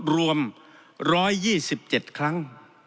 รวม๑๒๗ครั้ง